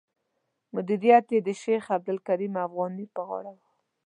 مدیریت یې د شیخ عبدالکریم افغاني پر غاړه و.